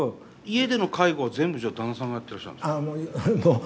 家での介護は全部じゃあ旦那さんがやってらっしゃるんですか？